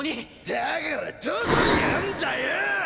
だからどこにあんだよ！